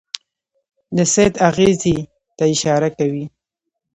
د سید اغېزې ته اشاره کوي.